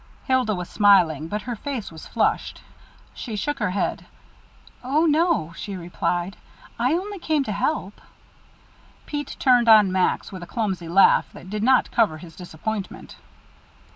Hilda was smiling, but her face was flushed. She shook her head. "Oh, no," she replied; "I only came to help." Pete turned on Max, with a clumsy laugh that did not cover his disappointment.